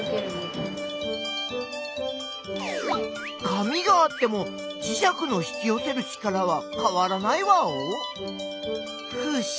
紙があってもじしゃくの引きよせる力はかわらないワオ？